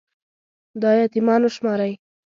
دا يـتـيـمـان وشمارئ